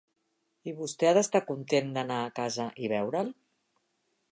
I vostè ha d'estar content d'anar a casa, i veure'l.